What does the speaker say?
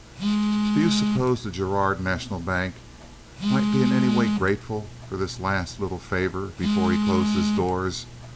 Do you suppose the Girard National Bank might be in any way grateful for this last little favor before he closed his doors?